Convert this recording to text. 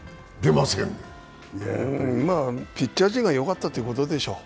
まあ、ピッチャー陣がよかったということでしょう。